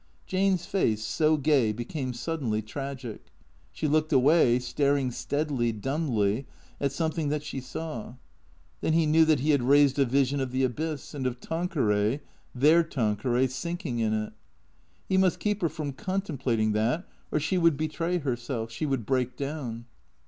Jane's face, so gay, became suddenly tragic. She looked away, staring steadily, dumbly, at something that she saw. Then he knew that he had raised a vision of the abyss, and of Tanqueray, their Tanqueray, sinking in it. He must keep her from contemplating that, or she would betray herself, she would break down.